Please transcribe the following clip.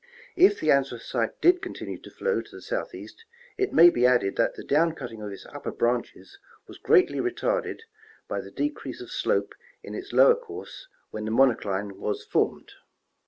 If the Anthracite did continue to flow to the southeast, it may be added that the down cutting of its upper branches was greatly retarded by the decrease of slope in its lower course when the monocline was formed.